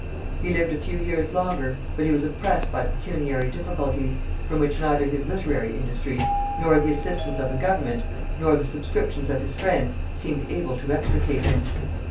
He lived a few years longer; but he was oppressed by pecuniary difficulties, from which neither his literary industry, nor the assistance of the Government, nor the subscriptions of his friends, seemed able to extricate him.